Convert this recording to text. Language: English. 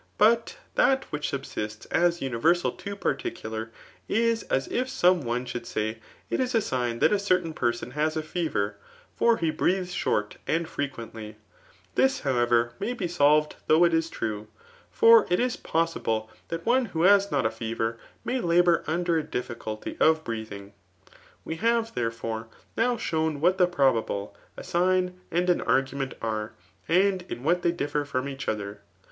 But that which SMbosts as universal to particular, is as if some one should say, it is a dgn that a certain person has a fever } for he breathes short and frequently. This, however, niajr be solved though it is true. For it is possible that one who has not a fever may labour under a difficulty of breathing. We have, therefore^ now shown what the probable, a sign, and an argument, are, and in what they differ from each other.